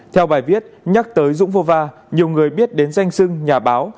theo bài viết nhắc tới dũng vô va nhiều người biết đến danh sưng nhà báo